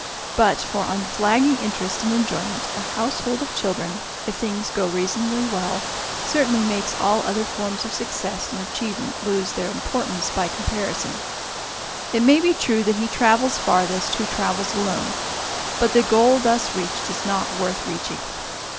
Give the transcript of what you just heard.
But for unflagging interest and enjoyment, a household of children, if things go reasonably well, certainly makes all other forms of success and achievement lose their importance by comparison. It may be true that he travels farthest who travels alone; but the goal thus reached is not worth reaching.